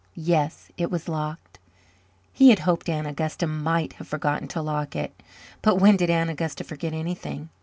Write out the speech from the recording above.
Yes, it was locked. He had hoped Aunt Augusta might have forgotten to lock it; but when did Aunt Augusta forget anything?